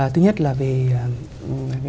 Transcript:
thứ nhất là về